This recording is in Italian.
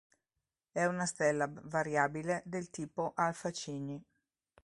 È una stella variabile del tipo Alfa Cygni.